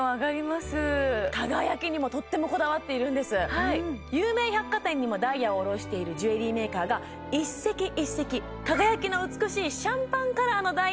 輝きにもとってもこだわっているんです有名百貨店にもダイヤを卸しているジュエリーメーカーが一石一石をえりすぐっています